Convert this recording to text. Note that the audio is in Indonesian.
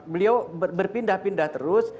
beliau berpindah pindah terus